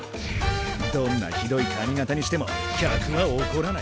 どんなひどいかみがたにしても客はおこらない。